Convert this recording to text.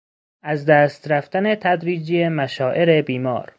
از دست رفتن تدریجی مشاعر بیمار